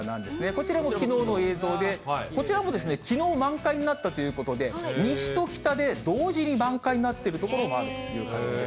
こちらもきのうの映像で、こちらもきのう満開になったということで、西と北で同時に満開になっている所もあるという感じで。